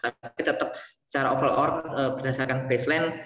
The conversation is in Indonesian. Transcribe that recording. tapi tetap secara overall berdasarkan baseline